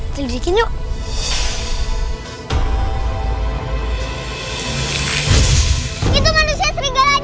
tidur dikit yuk